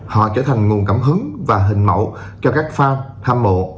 họ trở thành nguồn cảm hứng và hình mẫu cho các phan tham mộ